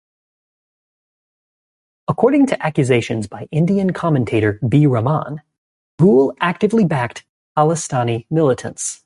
According to accusations by Indian commentator B Raman, Gul actively backed Khalistani militants.